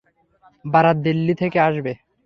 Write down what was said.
বারাত দিল্লি থেকে আসবে।